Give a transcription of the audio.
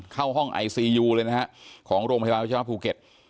เข้าห้องไอซียูเลยนะฮะของโรงพยาบาลวัชวภูเก็ต